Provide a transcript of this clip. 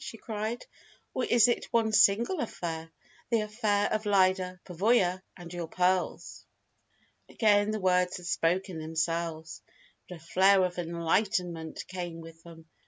she cried. "Or is it one single affair the affair of Lyda Pavoya and your pearls?" Again the words had spoken themselves, but a flare of enlightenment came with them.